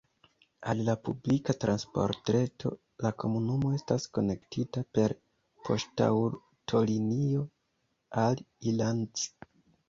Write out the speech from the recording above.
Al la publika transportreto la komunumo estas konektita per poŝtaŭtolinio al Ilanz.